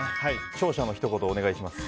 勝者のひと言お願いします。